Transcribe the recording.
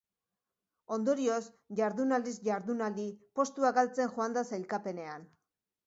Ondorioz, jardunaldiz-jardunaldi postuak galtzen joan da sailkapenean.